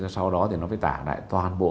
sau đó thì nó phải tả lại toàn bộ